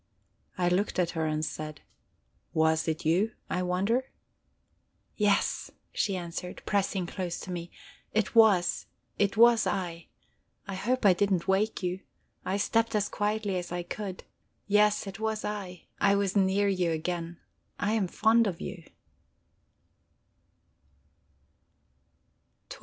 I looked at her, and said: "Was it you, I wonder?" "Yes," she answered, pressing close to me. "It was I. I hope I didn't wake you I stepped as quietly as I could. Yes, it was I. I was near you again. I am fond of you!"